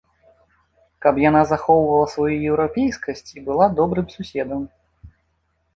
Каб яна захоўвала сваю еўрапейскасць і была добрым суседам.